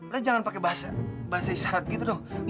lu jangan pakai bahasa bahasa isyarat gitu dong